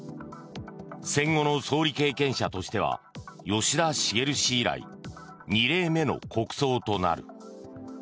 戦後の総理経験者としては吉田茂氏以来２例目の国葬となる。